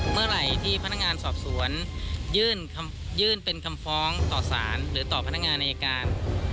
เมื่อไหร่ที่พนักงานสอบสวนยื่นเป็นคำฟ้องต่อสารหรือต่อพนักงานอายการ